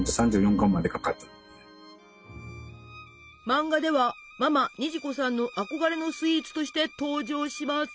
漫画ではママ虹子さんの憧れのスイーツとして登場します。